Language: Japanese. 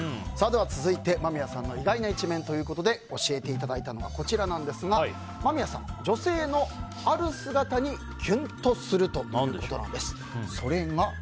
続いて間宮さんの意外な一面ということで教えていただいたのはこちらなんですが間宮さん、女性のある姿にキュンとするということなんです。